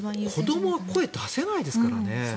子どもは声を出せないですからね。